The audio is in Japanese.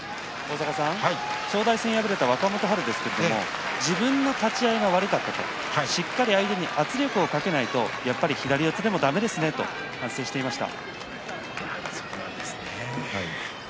正代戦に敗れた若元春ですが自分の立ち合いが悪かったと、しっかり相手に圧力をかけないとやっぱり左四つでもだめですねと反省していました。